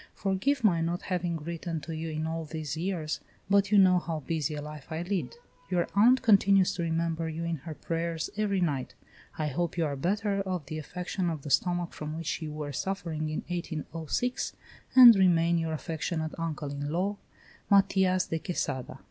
"Forgive my not having written to you in all these years, but you know how busy a life I lead. Your aunt continues to remember you in her prayers every night. I hope you are better of the affection of the stomach from which you were suffering in 1806, and remain your affectionate uncle in law, "MATIAS DE QUESADA.